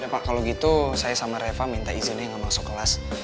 udah pak kalau gitu saya sama reva minta izinnya nganusuk kelas